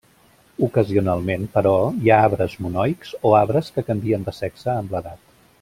Ocasionalment, però, hi ha arbres monoics o arbres que canvien de sexe amb l'edat.